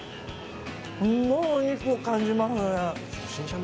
すごいお肉を感じますね。